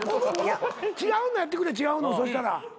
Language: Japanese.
違うのやってくれ違うのそしたら。